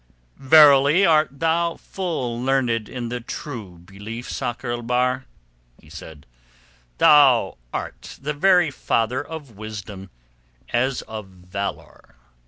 "Verily art thou full learned in the True Belief, Sakr el Bahr," he said. "Thou art the very father of wisdom as of valour."